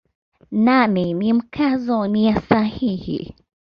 Nane ni Mkazo nia sahihi.